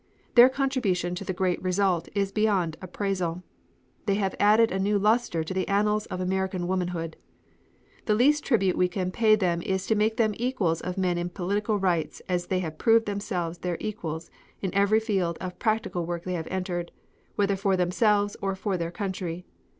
Their contribution to the great result is beyond appraisal. They have added a new luster to the annals of American womanhood. "The least tribute we can pay them is to make them the equals of men in political rights as they have proved themselves their equals in every field of practical work they have entered, whether for themselves or for their country.